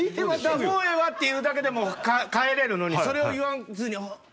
「もうええわ」って言うだけで帰れるのにそれを言わずに。